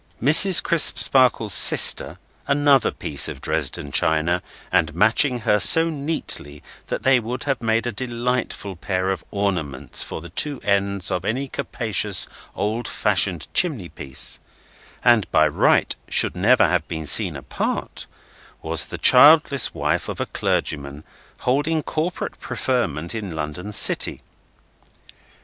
Mrs. Crisparkle's sister, another piece of Dresden china, and matching her so neatly that they would have made a delightful pair of ornaments for the two ends of any capacious old fashioned chimneypiece, and by right should never have been seen apart, was the childless wife of a clergyman holding Corporation preferment in London City.